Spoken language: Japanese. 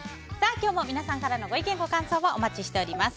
今日も皆様からのご意見ご感想をお待ちしております。